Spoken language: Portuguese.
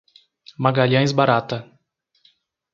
Magalhães Barata